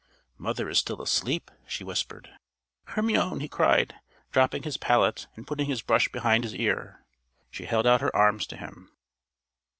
"Mother is still asleep," she whispered. "Hermione!" he cried, dropping his palette and putting his brush behind his ear. She held out her arms to him.